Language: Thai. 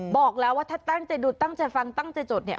บอกแล้วว่าถ้าตั้งใจดูตั้งใจฟังตั้งใจจดเนี่ย